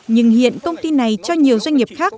nhưng hiện công ty này cho nhiều doanh nghiệp khác